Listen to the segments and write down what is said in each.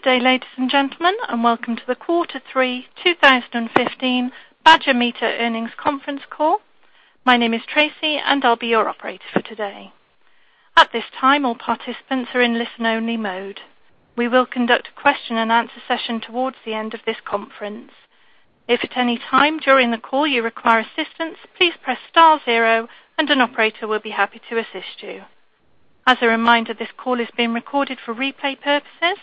Good day, ladies and gentlemen, and welcome to the Q3 2015 Badger Meter Earnings Conference Call. My name is Tracy, and I'll be your operator for today. At this time, all participants are in listen-only mode. We will conduct a question-and-answer session towards the end of this conference. If at any time during the call you require assistance, please press star zero, and an operator will be happy to assist you. As a reminder, this call is being recorded for replay purposes.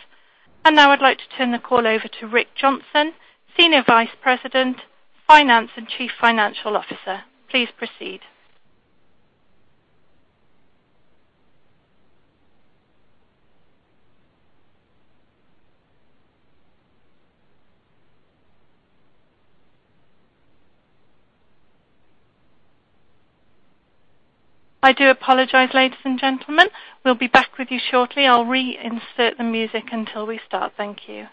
Now I'd like to turn the call over to Rick Johnson, Senior Vice President, Finance and Chief Financial Officer. Please proceed. I do apologize, ladies and gentlemen. We'll be back with you shortly. I'll reinsert the music until we start. Thank you.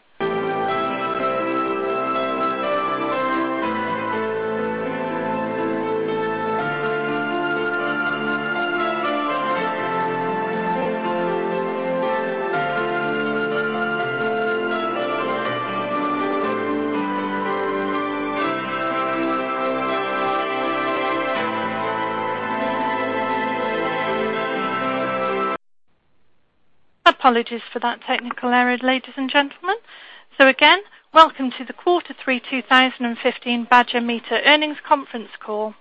Apologies for that technical error, ladies and gentlemen. Again, welcome to the Q3 2015 Badger Meter Earnings Conference Call.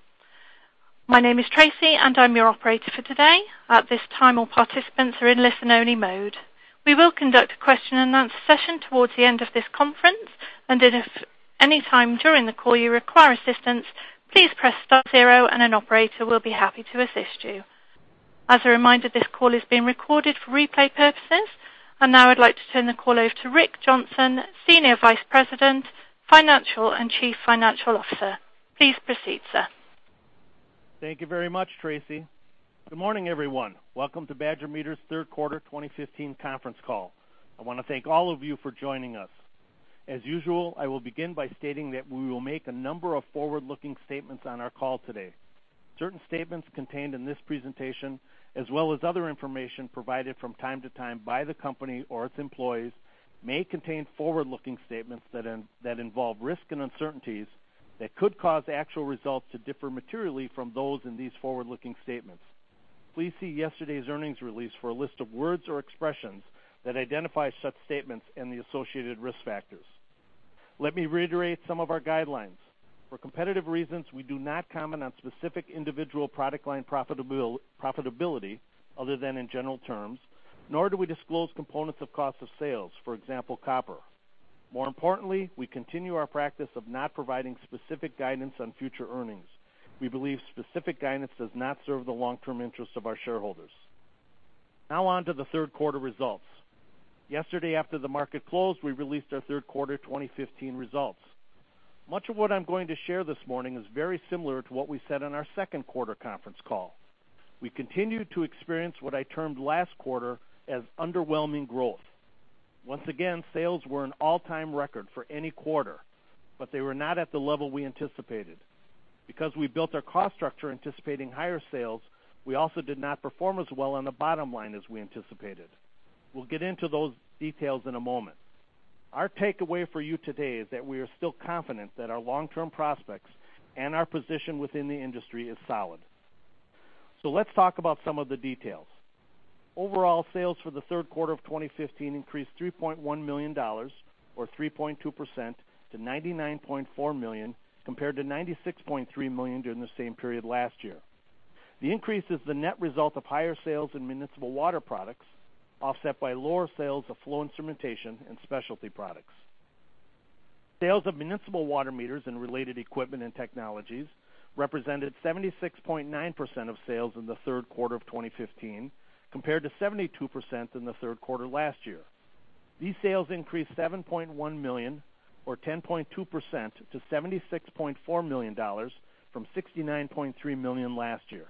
My name is Tracy, and I'm your operator for today. At this time, all participants are in listen-only mode. We will conduct a question-and-answer session towards the end of this conference, if at any time during the call you require assistance, please press star zero, and an operator will be happy to assist you. As a reminder, this call is being recorded for replay purposes. Now I'd like to turn the call over to Rick Johnson, Senior Vice President, Finance and Chief Financial Officer. Please proceed, sir. Thank you very much, Tracy. Good morning, everyone. Welcome to Badger Meter's third quarter 2015 conference call. I want to thank all of you for joining us. As usual, I will begin by stating that we will make a number of forward-looking statements on our call today. Certain statements contained in this presentation, as well as other information provided from time to time by the company or its employees, may contain forward-looking statements that involve risk and uncertainties that could cause actual results to differ materially from those in these forward-looking statements. Please see yesterday's earnings release for a list of words or expressions that identify such statements and the associated risk factors. Let me reiterate some of our guidelines. For competitive reasons, we do not comment on specific individual product line profitability, other than in general terms, nor do we disclose components of cost of sales, for example, copper. More importantly, we continue our practice of not providing specific guidance on future earnings. We believe specific guidance does not serve the long-term interests of our shareholders. On to the third quarter results. Yesterday, after the market closed, we released our third quarter 2015 results. Much of what I'm going to share this morning is very similar to what we said on our second quarter conference call. We continued to experience what I termed last quarter as underwhelming growth. Once again, sales were an all-time record for any quarter, but they were not at the level we anticipated. Because we built our cost structure anticipating higher sales, we also did not perform as well on the bottom line as we anticipated. We'll get into those details in a moment. Our takeaway for you today is that we are still confident that our long-term prospects and our position within the industry is solid. Let's talk about some of the details. Overall, sales for the third quarter of 2015 increased $3.1 million, or 3.2%, to $99.4 million, compared to $96.3 million during the same period last year. The increase is the net result of higher sales in municipal water products, offset by lower sales of flow instrumentation and specialty products. Sales of municipal water meters and related equipment and technologies represented 76.9% of sales in the third quarter of 2015, compared to 72% in the third quarter last year. These sales increased $7.1 million, or 10.2%, to $76.4 million from $69.3 million last year.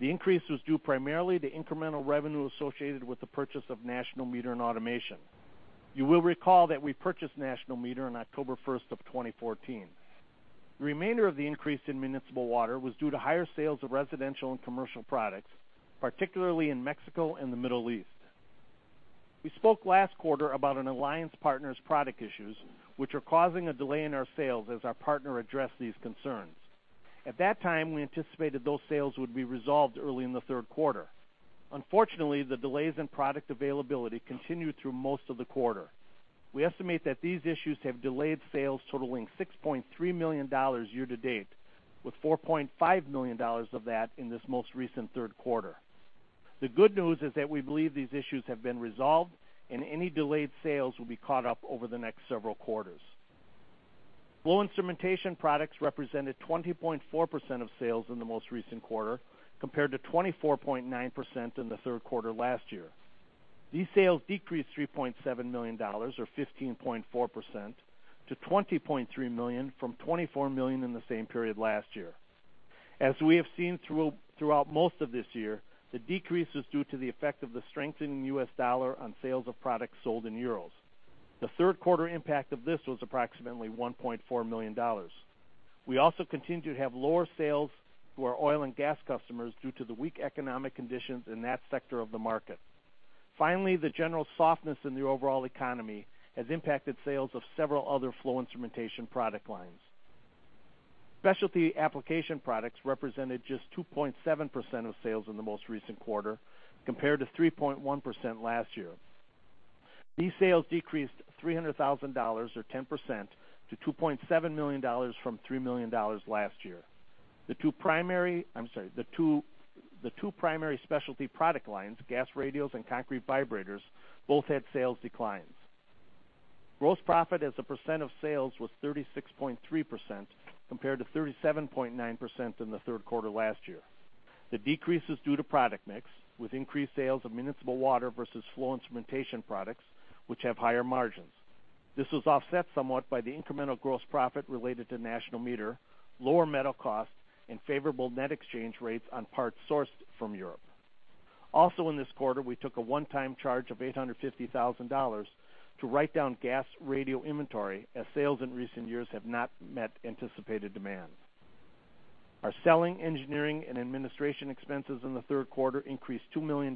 The increase was due primarily to incremental revenue associated with the purchase of National Meter and Automation. You will recall that we purchased National Meter on October 1st of 2014. The remainder of the increase in municipal water was due to higher sales of residential and commercial products, particularly in Mexico and the Middle East. We spoke last quarter about an alliance partner's product issues, which are causing a delay in our sales as our partner addressed these concerns. At that time, we anticipated those sales would be resolved early in the third quarter. Unfortunately, the delays in product availability continued through most of the quarter. We estimate that these issues have delayed sales totaling $6.3 million year to date, with $4.5 million of that in this most recent third quarter. The good news is that we believe these issues have been resolved, and any delayed sales will be caught up over the next several quarters. Flow instrumentation products represented 20.4% of sales in the most recent quarter, compared to 24.9% in the third quarter last year. These sales decreased $3.7 million, or 15.4%, to $20.3 million from $24 million in the same period last year. As we have seen throughout most of this year, the decrease is due to the effect of the strengthening US dollar on sales of products sold in euros. The third quarter impact of this was approximately $1.4 million. Finally, the general softness in the overall economy has impacted sales of several other flow instrumentation product lines. Specialty application products represented just 2.7% of sales in the most recent quarter, compared to 3.1% last year. These sales decreased $300,000, or 10%, to $2.7 million from $3 million last year. The two primary specialty product lines, gas radios and concrete vibrators, both had sales declines. Gross profit as a percent of sales was 36.3%, compared to 37.9% in the third quarter last year. The decrease is due to product mix, with increased sales of municipal water versus flow instrumentation products, which have higher margins. This was offset somewhat by the incremental gross profit related to National Meter, lower metal costs, and favorable net exchange rates on parts sourced from Europe. Also in this quarter, we took a one-time charge of $850,000 to write down gas radio inventory, as sales in recent years have not met anticipated demand. Our selling, engineering, and administration expenses in the third quarter increased $2 million,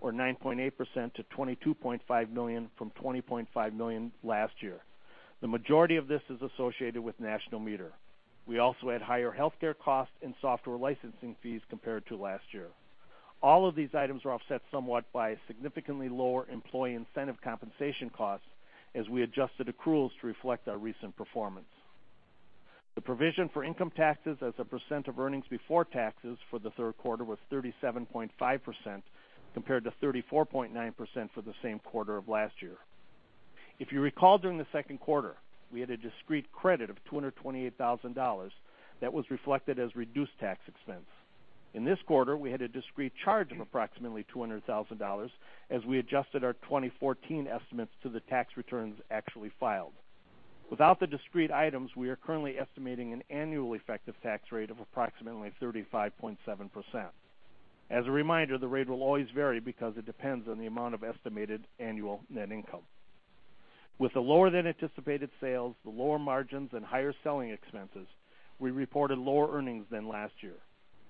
or 9.8%, to $22.5 million from $20.5 million last year. The majority of this is associated with National Meter. We also had higher healthcare costs and software licensing fees compared to last year. All of these items are offset somewhat by significantly lower employee incentive compensation costs as we adjusted accruals to reflect our recent performance. The provision for income taxes as a percent of earnings before taxes for the third quarter was 37.5%, compared to 34.9% for the same quarter of last year. If you recall, during the second quarter, we had a discrete credit of $228,000 that was reflected as reduced tax expense. In this quarter, we had a discrete charge of approximately $200,000 as we adjusted our 2014 estimates to the tax returns actually filed. Without the discrete items, we are currently estimating an annual effective tax rate of approximately 35.7%. As a reminder, the rate will always vary because it depends on the amount of estimated annual net income. With the lower-than-anticipated sales, the lower margins, and higher selling expenses, we reported lower earnings than last year.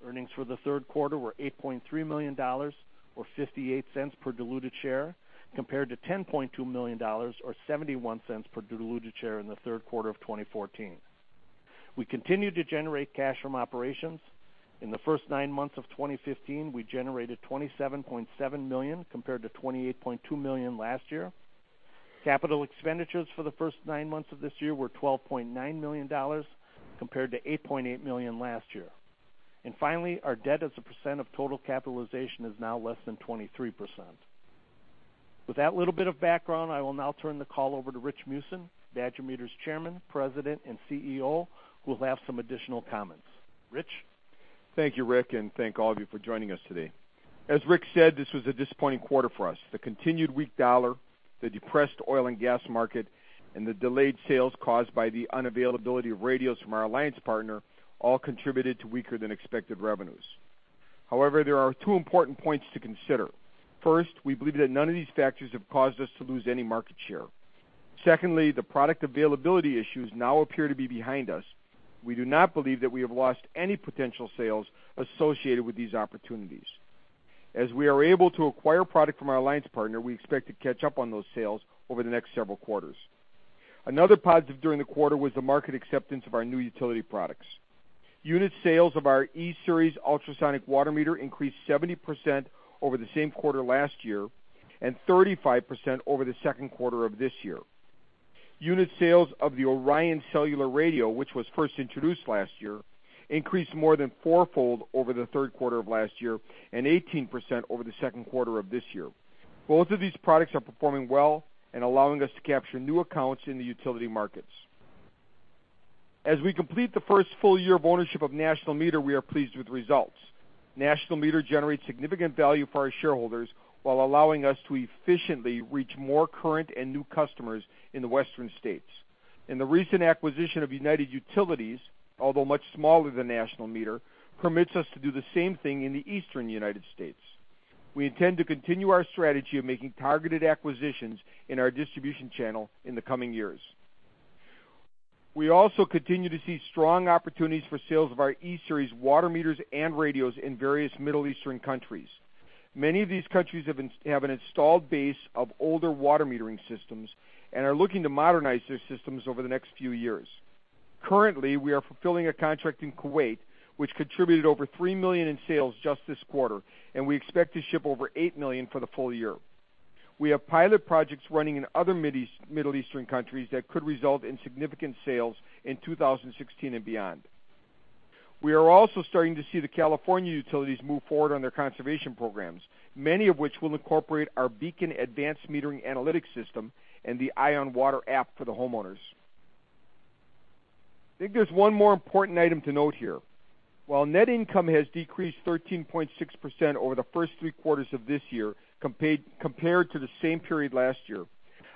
Earnings for the third quarter were $8.3 million, or $0.58 per diluted share, compared to $10.2 million, or $0.71 per diluted share in the third quarter of 2014. We continued to generate cash from operations. In the first nine months of 2015, we generated $27.7 million, compared to $28.2 million last year. Capital expenditures for the first nine months of this year were $12.9 million, compared to $8.8 million last year. Finally, our debt as a percent of total capitalization is now less than 23%. With that little bit of background, I will now turn the call over to Rich Meeusen, Badger Meter's Chairman, President, and CEO, who will have some additional comments. Rich? Thank you, Rick, and thank all of you for joining us today. As Rick said, this was a disappointing quarter for us. The continued weak U.S. dollar, the depressed oil and gas market, and the delayed sales caused by the unavailability of radios from our alliance partner all contributed to weaker-than-expected revenues. However, there are two important points to consider. First, we believe that none of these factors have caused us to lose any market share. Secondly, the product availability issues now appear to be behind us. We do not believe that we have lost any potential sales associated with these opportunities. As we are able to acquire product from our alliance partner, we expect to catch up on those sales over the next several quarters. Another positive during the quarter was the market acceptance of our new utility products. Unit sales of our E-Series Ultrasonic water meter increased 70% over the same quarter last year and 35% over the second quarter of this year. Unit sales of the ORION Cellular Radio, which was first introduced last year, increased more than fourfold over the third quarter of last year and 18% over the second quarter of this year. Both of these products are performing well and allowing us to capture new accounts in the utility markets. As we complete the first full year of ownership of National Meter, we are pleased with the results. National Meter generates significant value for our shareholders while allowing us to efficiently reach more current and new customers in the Western states. The recent acquisition of United Utilities, although much smaller than National Meter, permits us to do the same thing in the Eastern United States. We intend to continue our strategy of making targeted acquisitions in our distribution channel in the coming years. We also continue to see strong opportunities for sales of our E-Series water meters and radios in various Middle Eastern countries. Many of these countries have an installed base of older water metering systems and are looking to modernize their systems over the next few years. Currently, we are fulfilling a contract in Kuwait, which contributed over $3 million in sales just this quarter, and we expect to ship over $8 million for the full year. We have pilot projects running in other Middle Eastern countries that could result in significant sales in 2016 and beyond. We are also starting to see the California utilities move forward on their conservation programs, many of which will incorporate our BEACON Advanced Metering Analytics system and the EyeOnWater app for the homeowners. I think there's one more important item to note here. While net income has decreased 13.6% over the first three quarters of this year compared to the same period last year,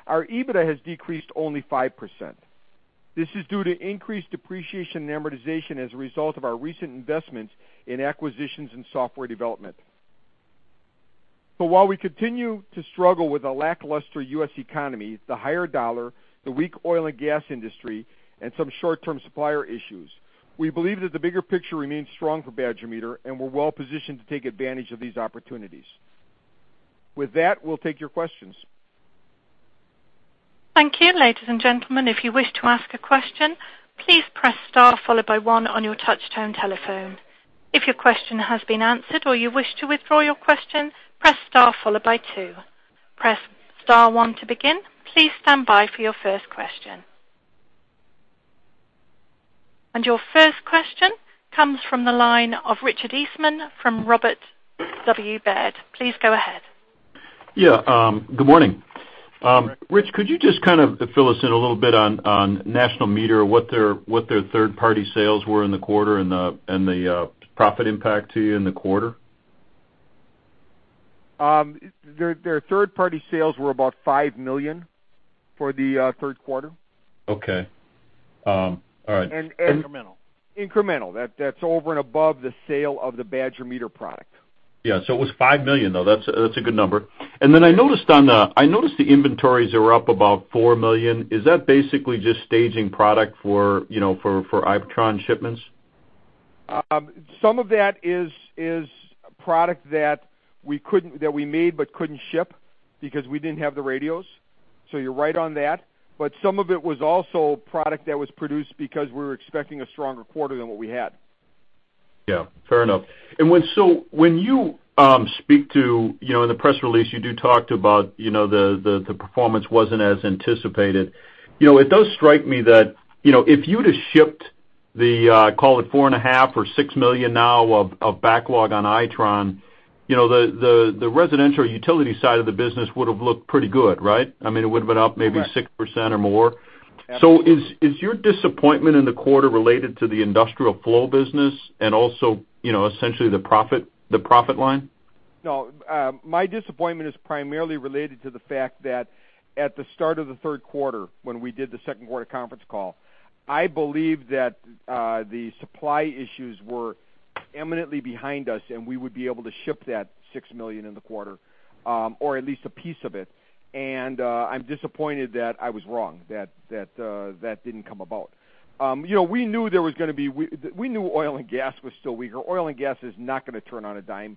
our EBITDA has decreased only 5%. This is due to increased depreciation and amortization as a result of our recent investments in acquisitions and software development. So while we continue to struggle with a lackluster U.S. economy, the higher dollar, the weak oil and gas industry, and some short-term supplier issues, we believe that the bigger picture remains strong for Badger Meter, and we're well-positioned to take advantage of these opportunities. With that, we'll take your questions. Thank you. Ladies and gentlemen, if you wish to ask a question, please press star followed by one on your touchtone telephone. If your question has been answered or you wish to withdraw your question, press star followed by two. Press star one to begin. Please stand by for your first question. Your first question comes from the line of Richard Eastman from Robert W. Baird. Please go ahead. Yeah. Good morning. Rich, could you just fill us in a little bit on National Meter, what their third-party sales were in the quarter and the profit impact to you in the quarter? Their third-party sales were about $5 million for the third quarter. Okay. All right. Incremental. That's over and above the sale of the Badger Meter product. It was $5 million, though. That's a good number. I noticed the inventories are up about $4 million. Is that basically just staging product for Itron shipments? Some of that is product that we made but couldn't ship because we didn't have the radios. You're right on that. Some of it was also product that was produced because we were expecting a stronger quarter than what we had. Yeah, fair enough. When you speak to, in the press release, you do talk about the performance wasn't as anticipated. It does strike me that if you'd have shipped the, call it $4.5 million or $6 million now of backlog on Itron, the residential utility side of the business would have looked pretty good, right? It would've been up maybe 6% or more. Is your disappointment in the quarter related to the industrial flow business and also essentially the profit line? No, my disappointment is primarily related to the fact that at the start of the third quarter, when we did the second quarter conference call, I believed that the supply issues were imminently behind us, and we would be able to ship that $6 million in the quarter or at least a piece of it. I'm disappointed that I was wrong, that that didn't come about. We knew oil and gas was still weaker. Oil and gas is not going to turn on a dime.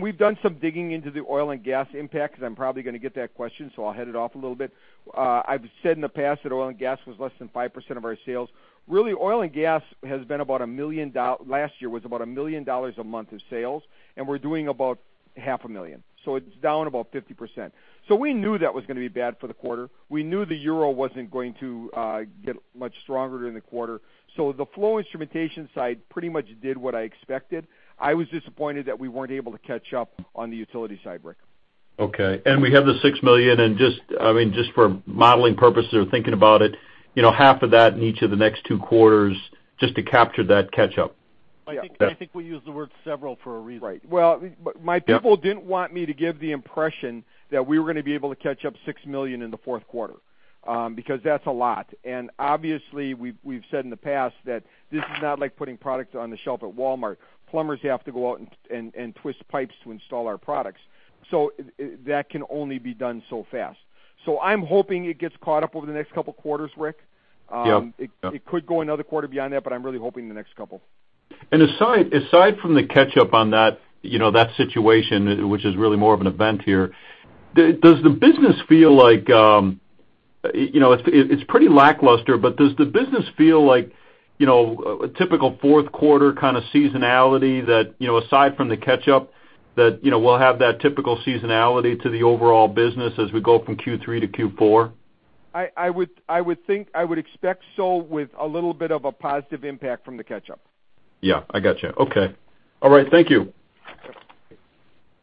We've done some digging into the oil and gas impact because I'm probably going to get that question, so I'll head it off a little bit. I've said in the past that oil and gas was less than 5% of our sales. Really, oil and gas last year was about $1 million a month in sales, and we're doing about half a million. It's down about 50%. We knew that was going to be bad for the quarter. We knew the euro wasn't going to get much stronger during the quarter. The flow instrumentation side pretty much did what I expected. I was disappointed that we weren't able to catch up on the utility side, Rick. Okay. We have the $6 million, and just for modeling purposes or thinking about it, half of that in each of the next two quarters just to capture that catch-up. I think we use the word several for a reason. Well, my people didn't want me to give the impression that we were going to be able to catch up $6 million in the fourth quarter because that's a lot. Obviously, we've said in the past that this is not like putting product on the shelf at Walmart. Plumbers have to go out and twist pipes to install our products. That can only be done so fast. I'm hoping it gets caught up over the next couple of quarters, Rick. Yeah. It could go another quarter beyond that, I'm really hoping the next couple. Aside from the catch-up on that situation, which is really more of an event here, it's pretty lackluster, but does the business feel like a typical fourth quarter kind of seasonality that aside from the catch-up, that we'll have that typical seasonality to the overall business as we go from Q3 to Q4? I would expect so with a little bit of a positive impact from the catch-up. Yeah, I got you. Okay. All right. Thank you.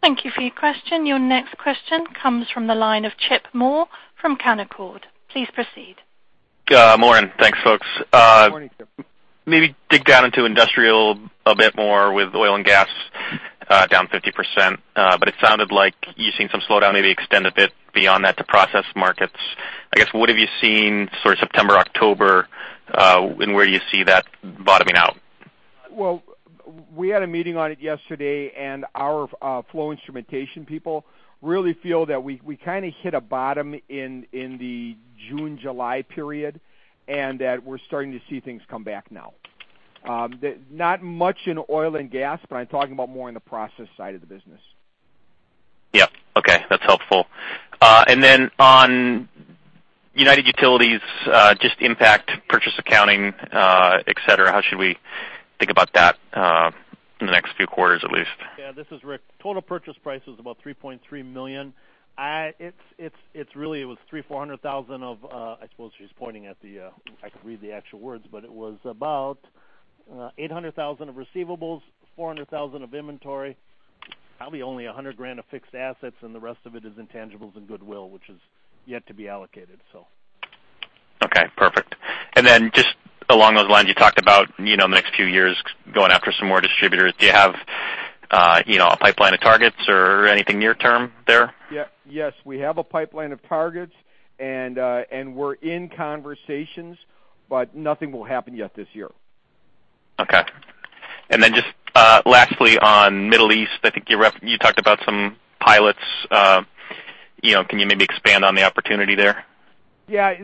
Thank you for your question. Your next question comes from the line of Chip Moore from Canaccord. Please proceed. Good morning. Thanks, folks. Morning, Chip. Maybe dig down into industrial a bit more with oil and gas down 50%, but it sounded like you're seeing some slowdown maybe extend a bit beyond that to process markets. I guess, what have you seen sort of September, October, and where do you see that bottoming out? Well, we had a meeting on it yesterday, and our flow instrumentation people really feel that we kind of hit a bottom in the June, July period, and that we're starting to see things come back now. Not much in oil and gas, but I'm talking about more in the process side of the business. Okay. That's helpful. On United Utilities, just impact purchase accounting, et cetera, how should we think about that in the next few quarters at least? This is Rick. Total purchase price was about $3.3 million. It was about $800,000 of receivables, $400,000 of inventory, probably only $100,000 of fixed assets, and the rest of it is intangibles and goodwill, which is yet to be allocated. Okay, perfect. Just along those lines, you talked about the next few years going after some more distributors. Do you have a pipeline of targets or anything near term there? Yes. We have a pipeline of targets, and we're in conversations, but nothing will happen yet this year. Okay. Just lastly on Middle East, I think you talked about some pilots. Can you maybe expand on the opportunity there? Yeah.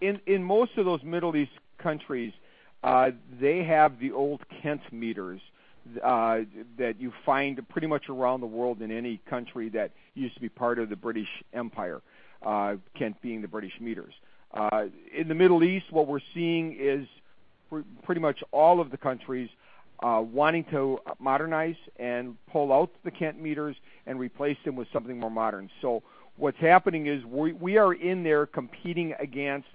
In most of those Middle East countries, they have the old Kent meters, that you find pretty much around the world in any country that used to be part of the British Empire, Kent being the British meters. In the Middle East, what we're seeing is pretty much all of the countries wanting to modernize and pull out the Kent meters and replace them with something more modern. What's happening is we are in there competing against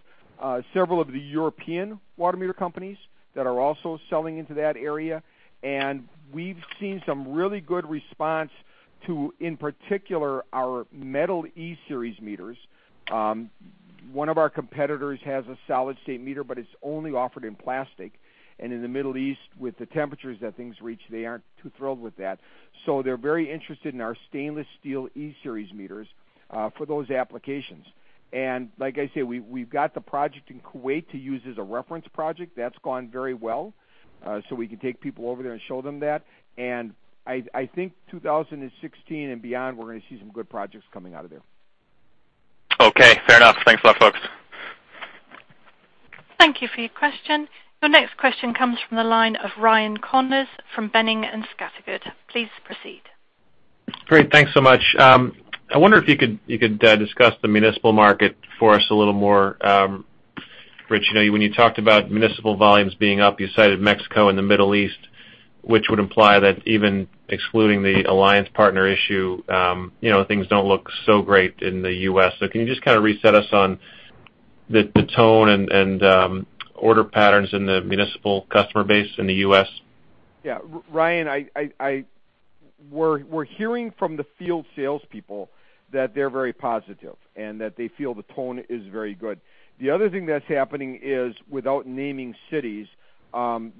several of the European water meter companies that are also selling into that area, and we've seen some really good response to, in particular, our metal E-Series meters. One of our competitors has a solid-state meter, but it's only offered in plastic. In the Middle East, with the temperatures that things reach, they aren't too thrilled with that. They're very interested in our stainless steel E-Series meters for those applications. Like I say, we've got the project in Kuwait to use as a reference project. That's gone very well. We can take people over there and show them that. I think 2016 and beyond, we're going to see some good projects coming out of there. Okay, fair enough. Thanks a lot, folks. Thank you for your question. Your next question comes from the line of Ryan Connors from Boenning & Scattergood. Please proceed. Great. Thanks so much. I wonder if you could discuss the municipal market for us a little more. Rich, when you talked about municipal volumes being up, you cited Mexico and the Middle East, which would imply that even excluding the alliance partner issue, things don't look so great in the U.S. Can you just kind of reset us on the tone and order patterns in the municipal customer base in the U.S.? Yeah. Ryan, we're hearing from the field salespeople that they're very positive and that they feel the tone is very good. The other thing that's happening is, without naming cities,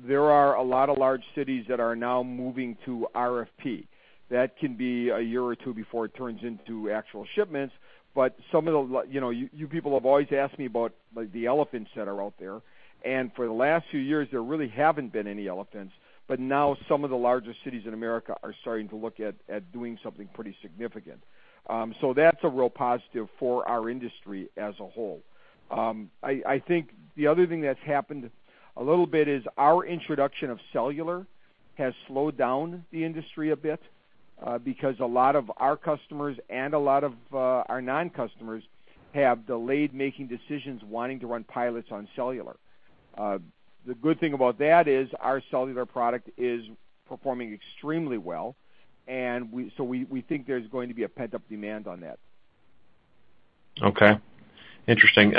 there are a lot of large cities that are now moving to RFP. That can be a year or two before it turns into actual shipments. You people have always asked me about the elephants that are out there, and for the last few years, there really haven't been any elephants, but now some of the largest cities in America are starting to look at doing something pretty significant. That's a real positive for our industry as a whole. I think the other thing that's happened a little bit is our introduction of cellular has slowed down the industry a bit, because a lot of our customers and a lot of our non-customers have delayed making decisions, wanting to run pilots on cellular. The good thing about that is our cellular product is performing extremely well, and so we think there's going to be a pent-up demand on that. Okay. Interesting.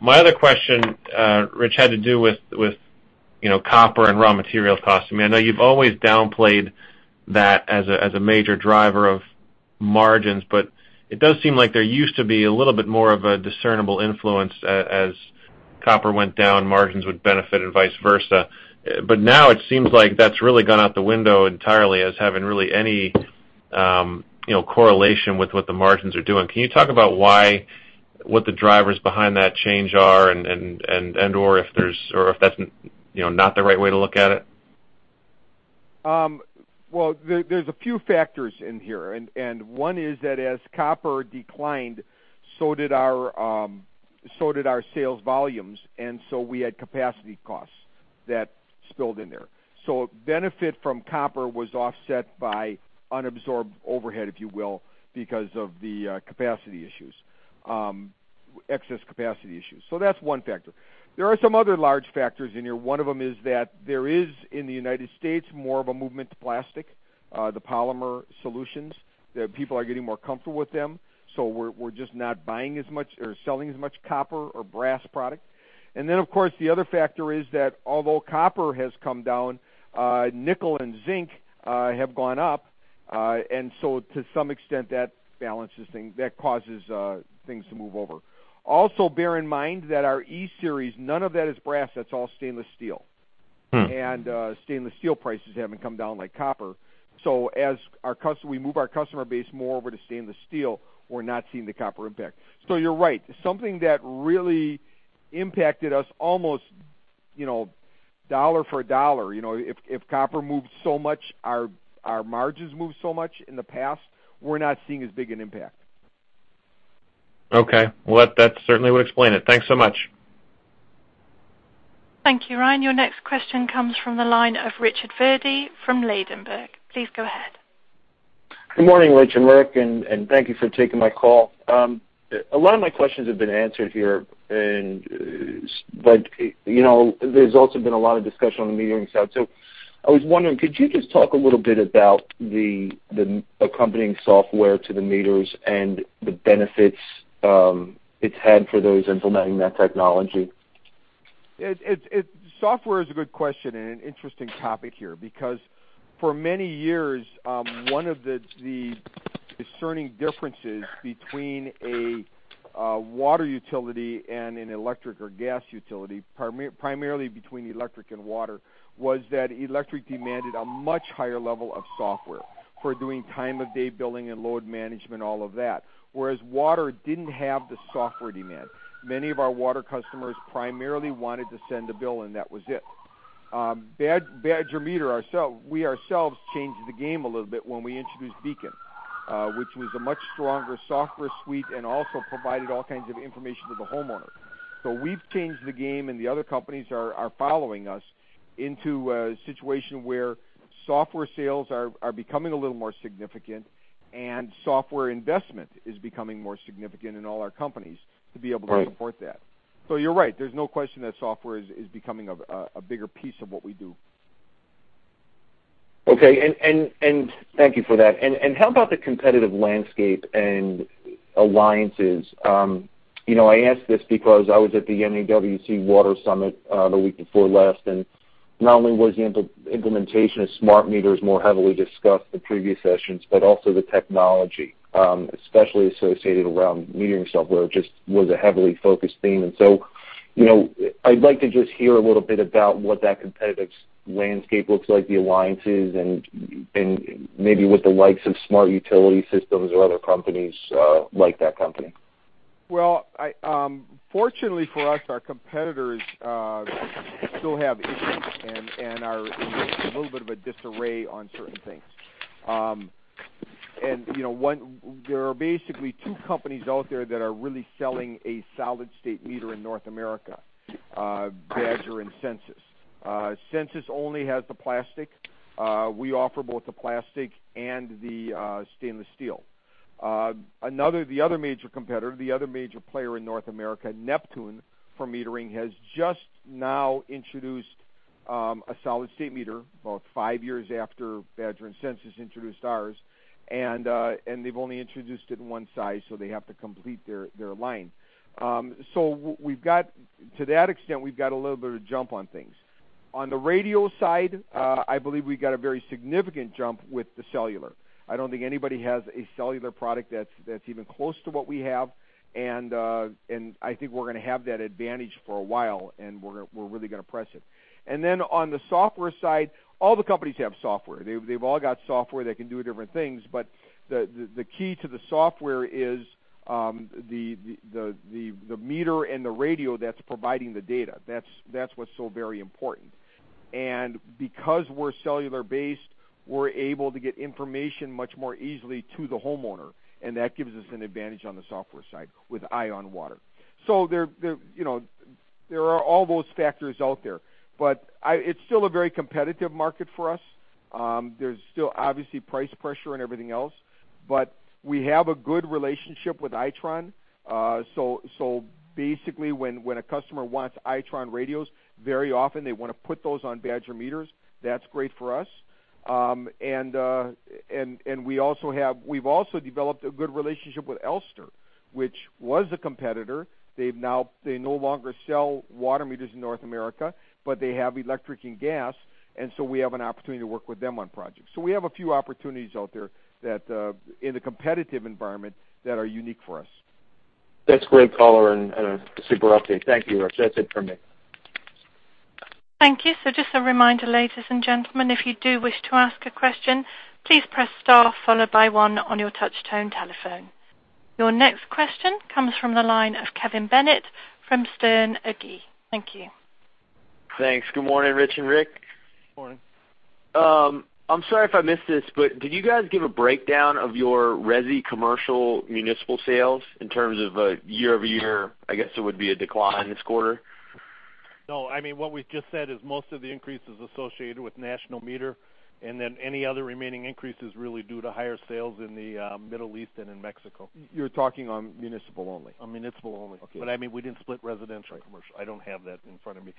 My other question, Rich, had to do with copper and raw material costs. I know you've always downplayed that as a major driver of margins, but it does seem like there used to be a little bit more of a discernible influence. As copper went down, margins would benefit and vice versa. Now it seems like that's really gone out the window entirely as having really any correlation with what the margins are doing. Can you talk about what the drivers behind that change are and/or if that's not the right way to look at it? There's a few factors in here, and one is that as copper declined, so did our sales volumes, and so we had capacity costs that spilled in there. Benefit from copper was offset by unabsorbed overhead, if you will, because of the excess capacity issues. That's one factor. There are some other large factors in here. One of them is that there is, in the U.S., more of a movement to plastic, the polymer solutions. People are getting more comfortable with them. We're just not selling as much copper or brass product. Of course, the other factor is that although copper has come down, nickel and zinc have gone up. To some extent, that balances things. That causes things to move over. Also, bear in mind that our E-Series, none of that is brass. That's all stainless steel. Stainless steel prices haven't come down like copper. As we move our customer base more over to stainless steel, we're not seeing the copper impact. You're right. Something that really impacted us almost dollar for dollar. If copper moved so much, our margins moved so much in the past, we're not seeing as big an impact. Okay. That certainly would explain it. Thanks so much. Thank you, Ryan. Your next question comes from the line of Richard Verdi from Ladenburg. Please go ahead. Good morning, Rich and Rick, and thank you for taking my call. A lot of my questions have been answered here, but there's also been a lot of discussion on the metering side. I was wondering, could you just talk a little bit about the accompanying software to the meters and the benefits it's had for those implementing that technology? Software is a good question and an interesting topic here, because for many years, one of the discerning differences between a water utility and an electric or gas utility, primarily between the electric and water, was that electric demanded a much higher level of software for doing time of day billing and load management, all of that. Whereas water didn't have the software demand. Many of our water customers primarily wanted to send a bill, and that was it. Badger Meter, we ourselves changed the game a little bit when we introduced BEACON, which was a much stronger software suite and also provided all kinds of information to the homeowner. We've changed the game, and the other companies are following us into a situation where software sales are becoming a little more significant, and software investment is becoming more significant in all our companies to be able to support that. You're right. There's no question that software is becoming a bigger piece of what we do. Okay. Thank you for that. How about the competitive landscape and alliances? I ask this because I was at the NAWC Water Summit the week before last, not only was the implementation of smart meters more heavily discussed than previous sessions, but also the technology, especially associated around metering software, just was a heavily focused theme. I'd like to just hear a little bit about what that competitive landscape looks like, the alliances, and maybe with the likes of Smart Utility Systems or other companies like that company. Well, fortunately for us, our competitors still have issues and are in a little bit of a disarray on certain things. There are basically two companies out there that are really selling a solid-state meter in North America, Badger and Sensus. Sensus only has the plastic. We offer both the plastic and the stainless steel. The other major competitor, the other major player in North America, Neptune, for metering, has just now introduced a solid-state meter, about 5 years after Badger and Sensus introduced ours, and they've only introduced it in one size, so they have to complete their line. To that extent, we've got a little bit of a jump on things. On the radio side, I believe we've got a very significant jump with the cellular. I don't think anybody has a cellular product that's even close to what we have, and I think we're going to have that advantage for a while, and we're really going to press it. On the software side, all the companies have software. They've all got software that can do different things, but the key to the software is the meter and the radio that's providing the data. That's what's so very important. Because we're cellular-based, we're able to get information much more easily to the homeowner, and that gives us an advantage on the software side with EyeOnWater. There are all those factors out there, but it's still a very competitive market for us. There's still obviously price pressure and everything else, but we have a good relationship with Itron. Basically, when a customer wants Itron radios, very often they want to put those on Badger meters. That's great for us. We've also developed a good relationship with Elster, which was a competitor. They no longer sell water meters in North America, but they have electric and gas, and so we have an opportunity to work with them on projects. We have a few opportunities out there in the competitive environment that are unique for us. That's great color and a super update. Thank you, Rich. That's it for me. Thank you. Just a reminder, ladies and gentlemen, if you do wish to ask a question, please press star followed by one on your touch-tone telephone. Your next question comes from the line of Kevin Bennett from Sterne Agee. Thank you. Thanks. Good morning, Rich and Rick. Morning. I'm sorry if I missed this, did you guys give a breakdown of your resi commercial municipal sales in terms of a year-over-year, I guess it would be a decline this quarter? No. What we've just said is most of the increase is associated with National Meter, and then any other remaining increase is really due to higher sales in the Middle East and in Mexico. You're talking on municipal only. On municipal only. We didn't split residential and commercial. I don't have that in front of me.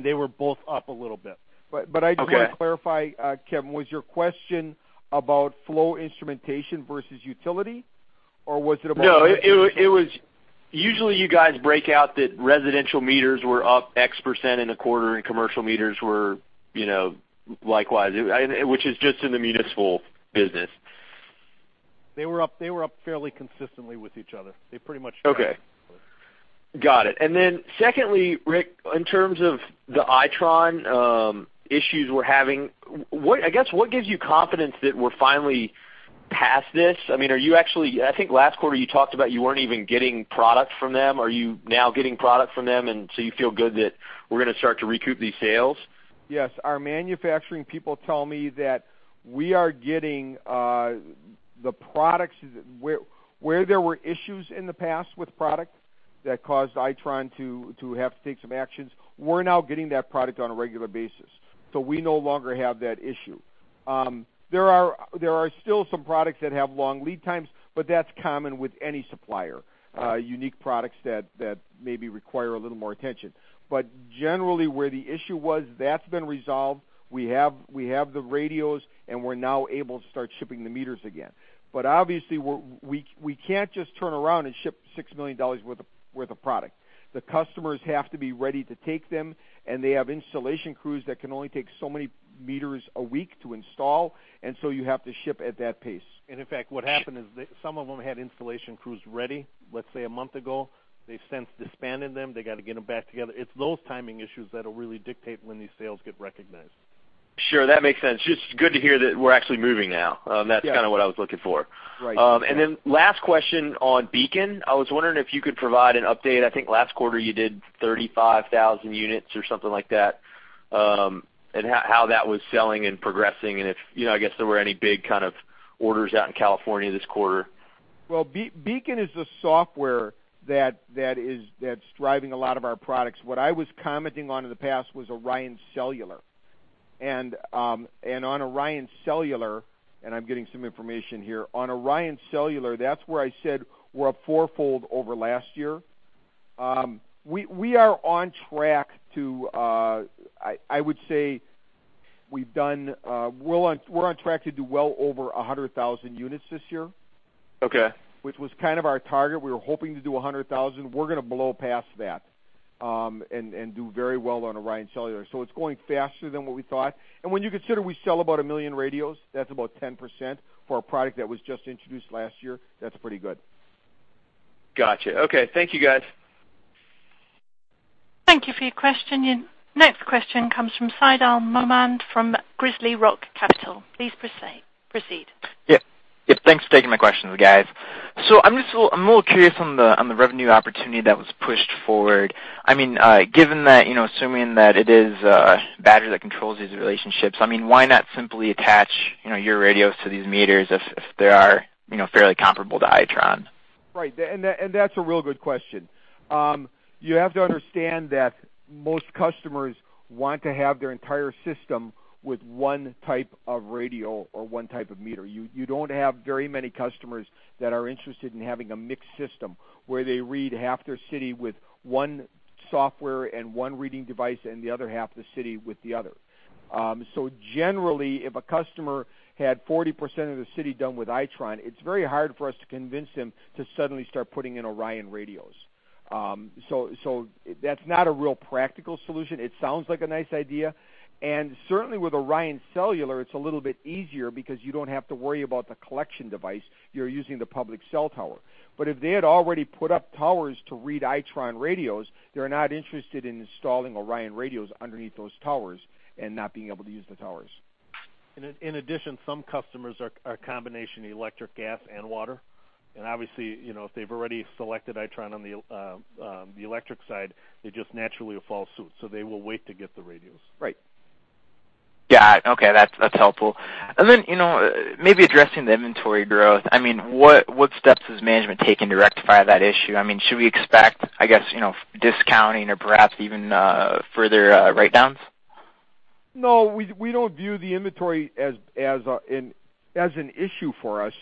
They were both up a little bit. I just want to clarify, Kevin, was your question about flow instrumentation versus utility, or was it about? No. Usually, you guys break out that residential meters were up X% in a quarter and commercial meters were likewise, which is just in the municipal business. They were up fairly consistently with each other. They pretty much. Okay. Got it. Secondly, Rick, in terms of the Itron issues we're having, I guess, what gives you confidence that we're finally past this? I think last quarter you talked about you weren't even getting product from them. Are you now getting product from them, and so you feel good that we're going to start to recoup these sales? Yes. Our manufacturing people tell me that we are getting the products. Where there were issues in the past with product that caused Itron to have to take some actions, we are now getting that product on a regular basis. We no longer have that issue. There are still some products that have long lead times, that is common with any supplier. Right. Unique products that maybe require a little more attention. Generally where the issue was, that has been resolved. We have the radios, and we are now able to start shipping the meters again. Obviously, we cannot just turn around and ship $6 million worth of product. The customers have to be ready to take them, and they have installation crews that can only take so many meters a week to install, you have to ship at that pace. In fact, what happened is some of them had installation crews ready, let's say, a month ago. They have since disbanded them. They got to get them back together. It is those timing issues that will really dictate when these sales get recognized. Sure, that makes sense. Just good to hear that we are actually moving now. That's kind of what I was looking for. Last question on BEACON. I was wondering if you could provide an update. I think last quarter you did 35,000 units or something like that, and how that was selling and progressing, if, I guess, there were any big kind of orders out in California this quarter. Well, BEACON is the software that's driving a lot of our products. What I was commenting on in the past was ORION Cellular. On ORION Cellular, and I'm getting some information here, on ORION Cellular, that's where I said we're up fourfold over last year. We are on track to, I would say, we're on track to do well over 100,000 units this year. Okay. Which was kind of our target. We were hoping to do 100,000. We're going to blow past that, and do very well on ORION Cellular. It's going faster than what we thought. When you consider we sell about a million radios, that's about 10% for a product that was just introduced last year. That's pretty good. Got you. Okay. Thank you, guys. Thank you for your question. Your next question comes from Saidal Mohmand from GrizzlyRock Capital. Please proceed. Yeah. Thanks for taking my questions, guys. I'm a little curious on the revenue opportunity that was pushed forward. Given that, assuming that it is Badger that controls these relationships, why not simply attach your radios to these meters if they are fairly comparable to Itron? Right. That's a real good question. You have to understand that most customers want to have their entire system with one type of radio or one type of meter. You don't have very many customers that are interested in having a mixed system, where they read half their city with one software and one reading device and the other half of the city with the other. Generally, if a customer had 40% of the city done with Itron, it's very hard for us to convince them to suddenly start putting in ORION radios. That's not a real practical solution. It sounds like a nice idea. Certainly with ORION Cellular, it's a little bit easier because you don't have to worry about the collection device. You're using the public cell tower. If they had already put up towers to read Itron radios, they're not interested in installing ORION radios underneath those towers and not being able to use the towers. In addition, some customers are a combination of electric, gas, and water. Obviously, if they've already selected Itron on the electric side, they just naturally will follow suit. They will wait to get the radios. Right. Got it. Okay. That's helpful. Then, maybe addressing the inventory growth, what steps has management taken to rectify that issue? Should we expect, I guess, discounting or perhaps even further write-downs? No, we don't view the inventory as an issue for us.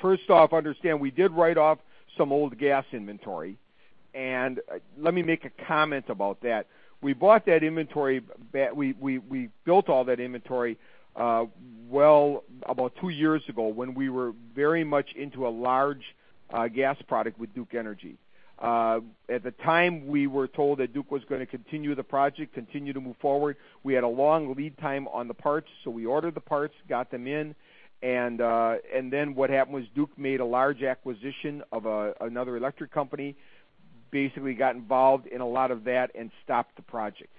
First off, understand we did write off some old gas inventory, and let me make a comment about that. We built all that inventory about two years ago when we were very much into a large gas product with Duke Energy. At the time, we were told that Duke was going to continue the project, continue to move forward. We had a long lead time on the parts, so we ordered the parts, got them in, and then what happened was Duke made a large acquisition of another electric company, basically got involved in a lot of that and stopped the project.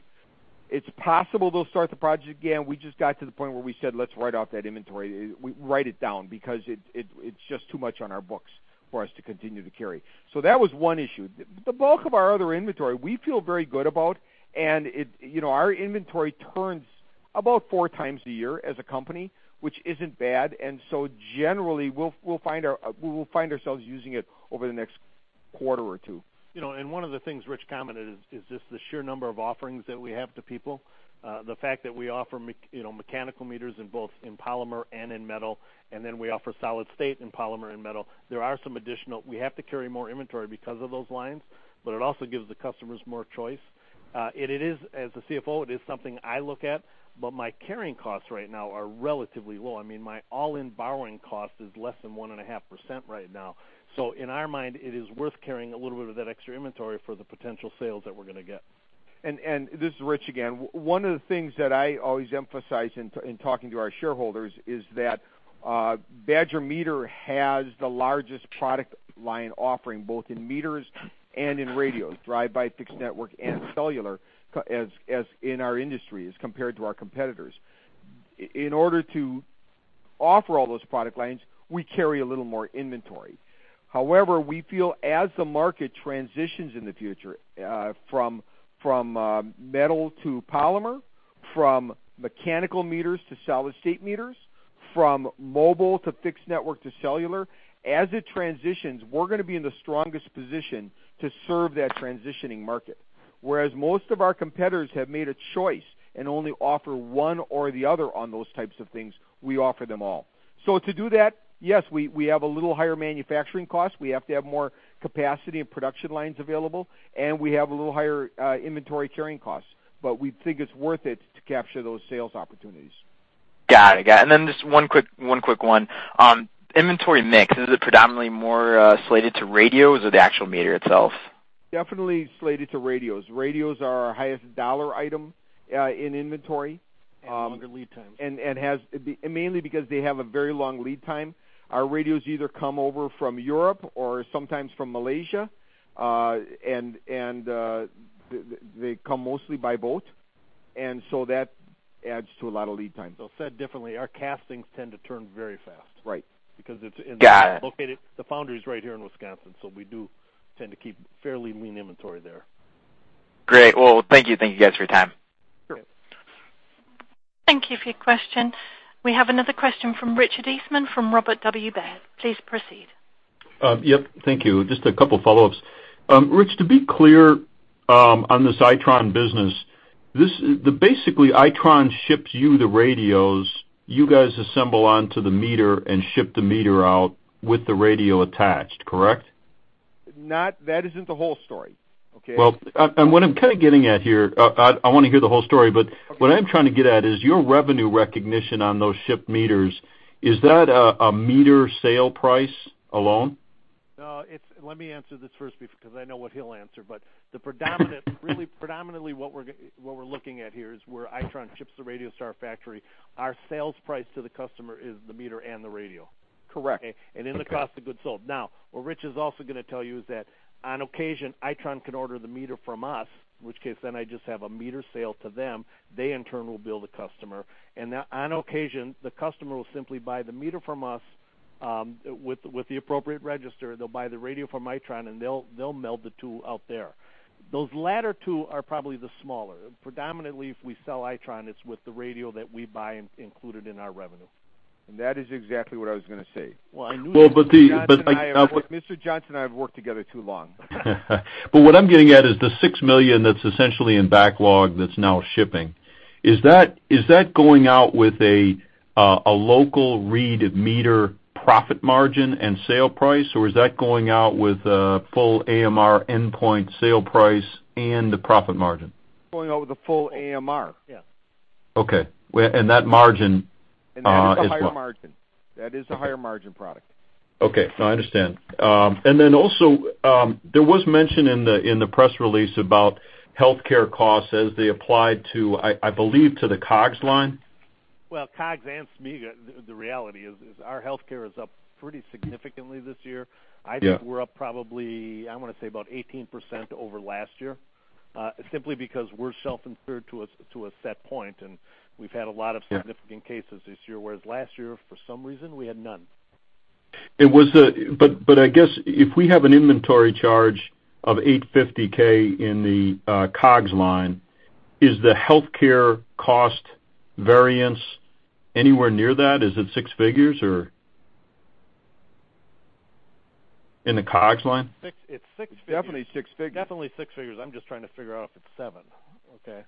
It's possible they'll start the project again. We just got to the point where we said, "Let's write off that inventory. Write it down because it's just too much on our books for us to continue to carry." That was one issue. The bulk of our other inventory we feel very good about, and our inventory turns about four times a year as a company, which isn't bad. Generally, we'll find ourselves using it over the next quarter or two. One of the things Rich commented is just the sheer number of offerings that we have to people. The fact that we offer mechanical meters in both polymer and in metal, then we offer solid state in polymer and metal. There are some additional. We have to carry more inventory because of those lines, but it also gives the customers more choice. As the CFO, it is something I look at, but my carrying costs right now are relatively low. My all-in borrowing cost is less than one and a half percent right now. In our mind, it is worth carrying a little bit of that extra inventory for the potential sales that we're going to get. This is Rich again. One of the things that I always emphasize in talking to our shareholders is that Badger Meter has the largest product line offering, both in meters and in radios, drive-by fixed network and cellular, as in our industry, as compared to our competitors. In order to offer all those product lines, we carry a little more inventory. However, we feel as the market transitions in the future, from metal to polymer, from mechanical meters to solid-state meters, from mobile to fixed network to cellular. As it transitions, we're going to be in the strongest position to serve that transitioning market. Whereas most of our competitors have made a choice and only offer one or the other on those types of things, we offer them all. To do that, yes, we have a little higher manufacturing cost. We have to have more capacity and production lines available, we have a little higher inventory carrying costs. We think it's worth it to capture those sales opportunities. Got it. Just one quick one. Inventory mix, is it predominantly more slated to radios or the actual meter itself? Definitely slated to radios. Radios are our highest dollar item in inventory. Longer lead times. Mainly because they have a very long lead time. Our radios either come over from Europe or sometimes from Malaysia. They come mostly by boat. That adds to a lot of lead time. Said differently, our castings tend to turn very fast. Right. The foundry is right here in Wisconsin, so we do tend to keep fairly lean inventory there. Great. Thank you. Thank you guys for your time. Sure. Yeah. Thank you for your question. We have another question from Richard Eastman from Robert W. Baird. Please proceed. Yep. Thank you. Just a couple follow-ups. Rich, to be clear, on this Itron business, basically Itron ships you the radios, you guys assemble onto the meter and ship the meter out with the radio attached, correct? That isn't the whole story. Okay? Well, what I'm kind of getting at here, I want to hear the whole story, but what I'm trying to get at is your revenue recognition on those shipped meters, is that a meter sale price alone? No. Let me answer this first because I know what he'll answer. Really predominantly what we're looking at here is where Itron ships the radio to our factory. Our sales price to the customer is the meter and the radio. Correct. In the cost of goods sold. Now, what Rich is also going to tell you is that on occasion, Itron can order the meter from us, in which case I just have a meter sale to them. They in turn will bill the customer. On occasion, the customer will simply buy the meter from us, with the appropriate register, they'll buy the radio from Itron, and they'll meld the two out there. Those latter two are probably the smaller. Predominantly, if we sell Itron, it's with the radio that we buy included in our revenue. That is exactly what I was going to say. Well, Mr. Johnson and I have worked together too long. What I'm getting at is the $6 million that's essentially in backlog that's now shipping. Is that going out with a local read meter profit margin and sale price, or is that going out with a full AMR endpoint sale price and the profit margin? Going out with a full AMR. Yes. Okay. That margin is what? That is the higher margin. That is a higher margin product. Okay. No, I understand. Then also, there was mention in the press release about healthcare costs as they applied to, I believe, to the COGS line. Well, COGS and SG&A. The reality is our healthcare is up pretty significantly this year. Yeah. I think we're up probably, I want to say about 18% over last year, simply because we're self-insured to a set point, and we've had a lot of significant cases this year, whereas last year, for some reason, we had none. I guess if we have an inventory charge of $850K in the COGS line, is the healthcare cost variance anywhere near that? Is it six figures or? In the COGS line. It's 6 figures. It's definitely 6 figures. Definitely 6 figures. I'm just trying to figure out if it's seven. Okay?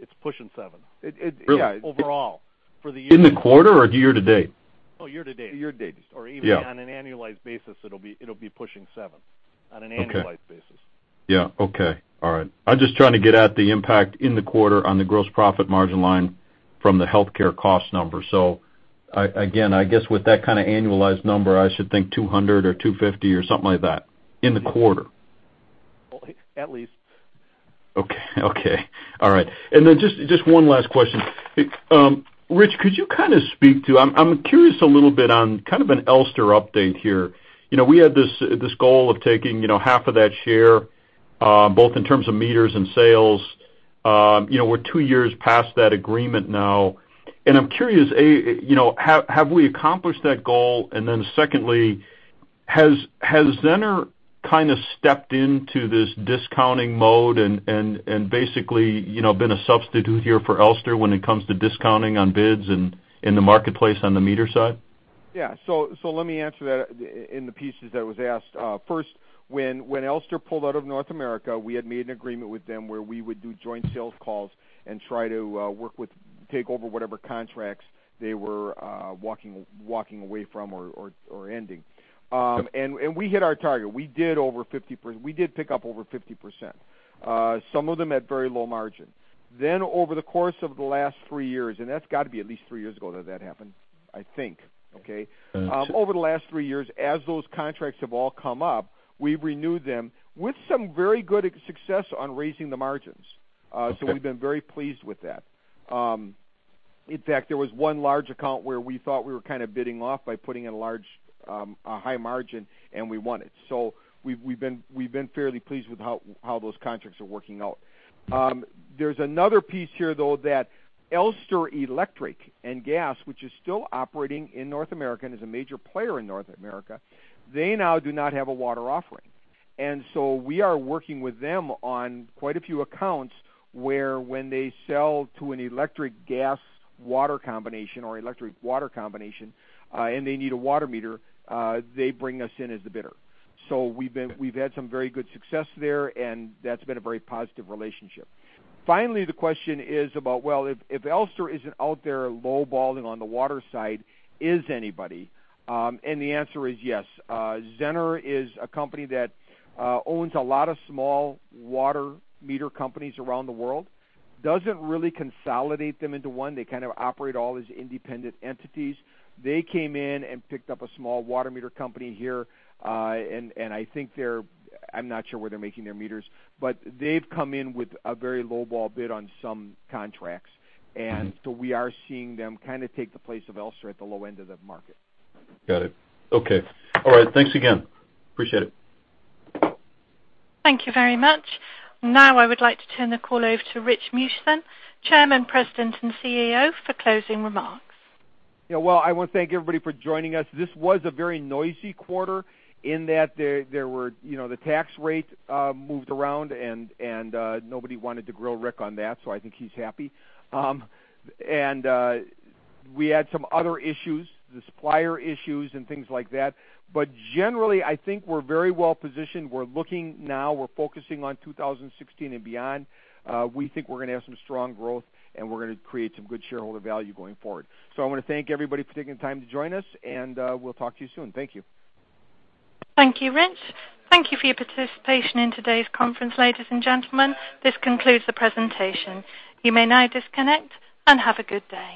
It's pushing seven. Really? Overall, for the year. In the quarter or year to date? Oh, year to date. Year to date. Yeah. Even on an annualized basis, it'll be pushing seven. On an annualized basis. Yeah. Okay. All right. I'm just trying to get at the impact in the quarter on the gross profit margin line from the healthcare cost number. Again, I guess with that kind of annualized number, I should think $200 or $250 or something like that in the quarter. At least. Okay. All right. Then just one last question. Rich, could you kind of speak to, I'm curious a little bit on kind of an Elster update here. We had this goal of taking half of that share, both in terms of meters and sales. We're two years past that agreement now. I'm curious, A, have we accomplished that goal? Then secondly, has Zenner kind of stepped into this discounting mode and basically been a substitute here for Elster when it comes to discounting on bids and in the marketplace on the meter side? Yeah. Let me answer that in the pieces that was asked. First, when Elster pulled out of North America, we had made an agreement with them where we would do joint sales calls and try to take over whatever contracts they were walking away from or ending. We hit our target. We did pick up over 50%. Some of them at very low margin. Over the course of the last three years, that's got to be at least three years ago that that happened, I think. Okay? Over the last three years, as those contracts have all come up, we've renewed them with some very good success on raising the margins. Okay. We've been very pleased with that. In fact, there was one large account where we thought we were kind of bidding off by putting in a high margin, and we won it. We've been fairly pleased with how those contracts are working out. There's another piece here, though, that Elster Electric and Gas, which is still operating in North America and is a major player in North America, they now do not have a water offering. We are working with them on quite a few accounts where when they sell to an electric gas, water combination or electric water combination, and they need a water meter, they bring us in as the bidder. We've had some very good success there, and that's been a very positive relationship. Finally, the question is about, well, if Elster isn't out there lowballing on the water side, is anybody? The answer is yes. Zenner is a company that owns a lot of small water meter companies around the world. Doesn't really consolidate them into one. They kind of operate all as independent entities. They came in and picked up a small water meter company here, and I'm not sure where they're making their meters, but they've come in with a very lowball bid on some contracts. We are seeing them kind of take the place of Elster at the low end of the market. Got it. Okay. All right. Thanks again. Appreciate it. Thank you very much. Now I would like to turn the call over to Rich Meeusen, Chairman, President, and CEO, for closing remarks. Yeah. Well, I want to thank everybody for joining us. This was a very noisy quarter in that the tax rate moved around, and nobody wanted to grill Rick on that, so I think he's happy. We had some other issues, the supplier issues and things like that. Generally, I think we're very well-positioned. We're looking now, we're focusing on 2016 and beyond. We think we're going to have some strong growth, and we're going to create some good shareholder value going forward. I want to thank everybody for taking the time to join us, and we'll talk to you soon. Thank you. Thank you, Rich. Thank you for your participation in today's conference, ladies and gentlemen. This concludes the presentation. You may now disconnect and have a good day.